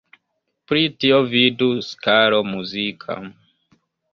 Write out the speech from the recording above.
Pri tio vidu skalo muzika.